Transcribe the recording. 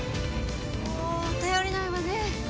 もう頼りないわね。